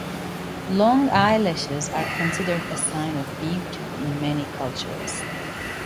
Long eyelashes are considered a sign of beauty in many cultures.